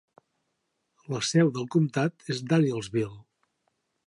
La seu del comtat és Danielsville.